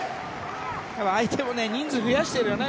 相手も人数を増やしてるよね